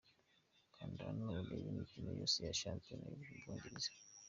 Kanda hano urebe imikino yose ya Shampiyona y’u Bwongereza: